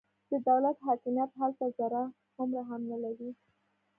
د دولت حاکمیت هلته ذره هومره هم نه لري.